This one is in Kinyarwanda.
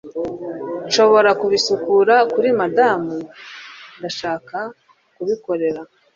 nshobora kubisukura kuri madamu. ndashaka kubikorera